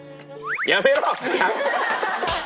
やめろ。